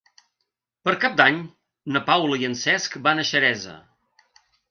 Per Cap d'Any na Paula i en Cesc van a Xeresa.